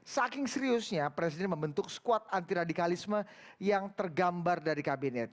saking seriusnya presiden membentuk squad anti radikalisme yang tergambar dari kabinet